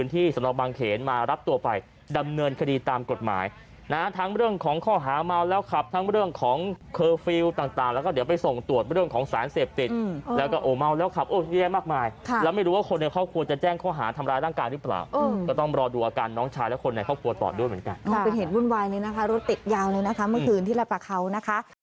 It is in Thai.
ทั้งเรื่องของข้อหาเมาดแล้วครับทั้งเรื่องของเคอร์ฟิลต่างแล้วก็เดี๋ยวไปส่งตรวจเรื่องของสารเสพติดแล้วก็เมาดแล้วครับเยอะมากมายแล้วไม่รู้ว่าคนในครอบครัวจะแจ้งข้อหาทำร้ายร่างกายหรือเปล่าก็ต้องรอดูอาการน้องชายและคนในครอบครัวตอบด้วยเหมือนกันเป็นเหตุวุ่นวายเลยนะคะรถติดยาวเลยนะคะเมื่อคืนที่ระปะเขานะคะ